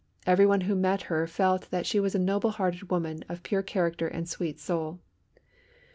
Everyone who met her felt that she was a noble hearted woman of pure character and sweet soul.